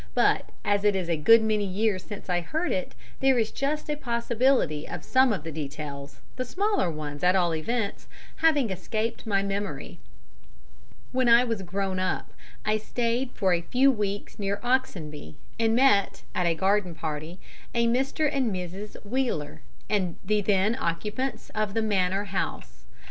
But as it is a good many years since I heard it, there is just a possibility of some of the details the smaller ones at all events having escaped my memory. When I was grown up, I stayed for a few weeks near Oxenby, and met, at a garden party, a Mr. and Mrs. Wheeler, the then occupants of the Manor House.